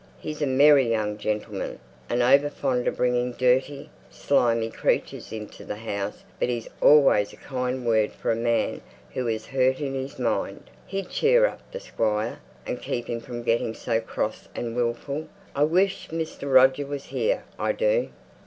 He's a merry young gentleman, and over fond of bringing dirty, slimy creatures into the house; but he's always a kind word for a man who is hurt in his mind. He'd cheer up the Squire, and keep him from getting so cross and wilful. I wish Mr. Roger was here, I do."